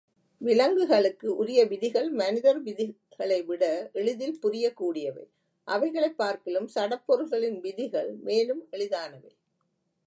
விலங்குகளுக்கு உரிய விதிகள் மனிதர் விதிகளைவிட எளிதில் புரியக் கூடியவை அவைகளைப் பார்க்கிலும் சடப்பொருள்களின் விதிகள் மேலும் எளிதானவை.